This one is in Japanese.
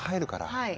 はい。